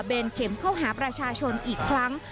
เข็มเข้าหาประชาชนอีกครั้ง